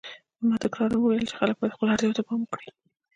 ما تکراراً ویلي چې خلک باید خپلو اړتیاوو ته پام وکړي.